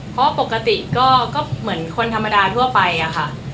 เพราะปกติก็เหมือนคนธรรมดาทั่วไปอะค่ะ